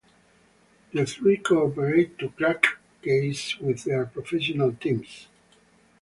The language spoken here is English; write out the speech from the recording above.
The three cooperate to crack cases with their professional teams.